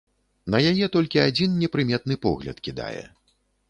На яе толькі адзін непрыметны погляд кідае.